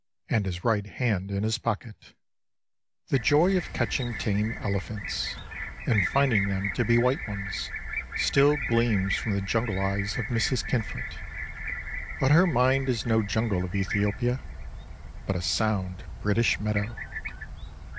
And his right hand In his pocket. 22 I At the House of Mrs. Kinfoot. The joy of catching tame elephants, And finding them to be white ones, Still gleams from the jimgle eyes Of Mrs. Kinfoot, But her mind is no jungle Of Ethiopia, But a sound British meadow.